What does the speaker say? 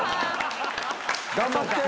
頑張って。